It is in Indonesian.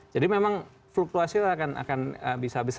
jadi memang fluktuasi akan bisa besar ya